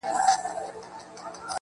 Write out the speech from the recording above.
پورته کښته سم په زور و زېر باڼه~